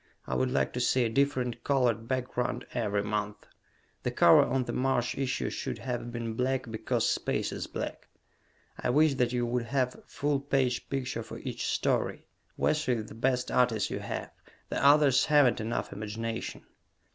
I would like to see a different colored background every month. The cover on the March issue should have been black because space is black. I wish that you would have a full page picture for each story. Wesso is the best artist you have. The others haven't enough imagination.